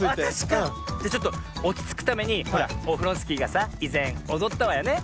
じゃちょっとおちつくためにほらオフロンスキーがさいぜんおどったわよね。